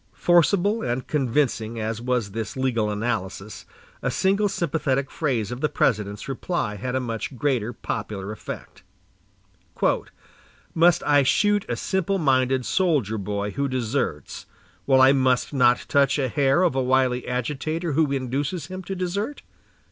Forcible and convincing as was this legal analysis, a single sympathetic phrase of the President's reply had a much greater popular effect: "Must I shoot a simple minded soldier boy who deserts while I must not touch a hair of a wily agitator who induces him to desert?"